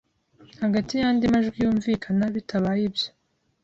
hagati yandi majwi yumvikana Bitabaye ibyo